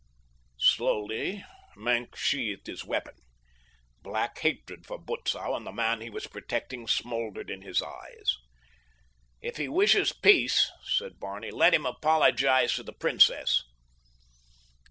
Slowly Maenck sheathed his weapon. Black hatred for Butzow and the man he was protecting smoldered in his eyes. "If he wishes peace," said Barney, "let him apologize to the princess."